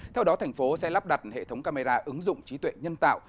theo đó thành phố sẽ lắp đặt hệ thống camera ứng dụng trí tuệ nhân tạo